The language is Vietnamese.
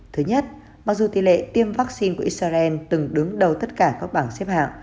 thứ nhất mặc dù tỷ lệ tiêm vaccine của israel từng đứng đầu tất cả các bảng xếp hạng